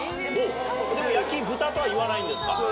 焼き豚とはいわないんですか？